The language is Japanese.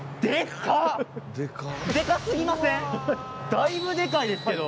だいぶでかいですけど。